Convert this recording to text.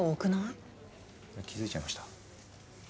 気付いちゃいました？